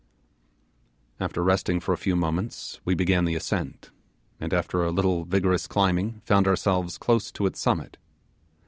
After resting for a few moments we began the ascent, and after a little vigorous climbing found ourselves close to its summit.